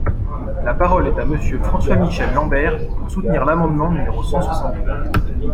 La parole est à Monsieur François-Michel Lambert, pour soutenir l’amendement numéro cent soixante-trois.